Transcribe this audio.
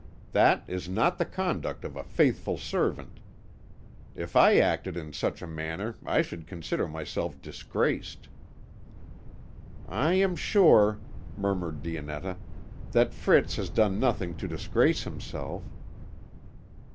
That is not the conduct of a faithful servant. If I acted in such a manner I should consider myself disgraced." "I am sure," murmured Dionetta, "that Fritz has done nothing to disgrace himself."